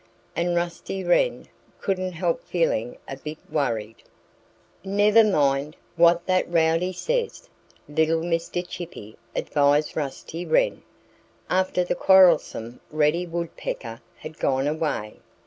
And Rusty Wren couldn't help feeling a bit worried. "Never mind what that rowdy says!" little Mr. Chippy advised Rusty Wren after the quarrelsome Reddy Woodpecker had gone away.